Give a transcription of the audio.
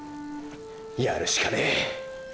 やるしかねェ！！